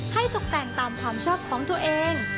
ตกแต่งตามความชอบของตัวเอง